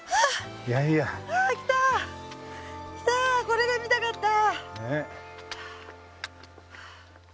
これが見たかった。